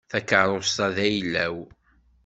Takeṛṛust-a d ayla-w.